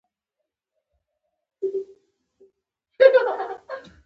کوتره د ډوډۍ ټوټه پیدا کوي.